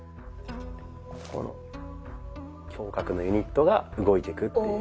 ここの胸郭のユニットが動いてくっていう。